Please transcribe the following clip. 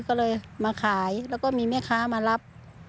ก็เลยมาขายแล้วก็มีแม่ค้ามารับ